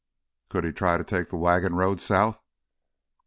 "Could he try to take the wagon road south?"